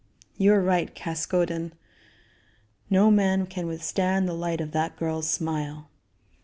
You are right, Caskoden; no man can withstand the light of that girl's smile.